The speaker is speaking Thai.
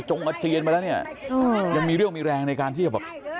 อาเจียนไปแล้วเนี่ยยังมีเรื่องมีแรงในการที่จะแบบ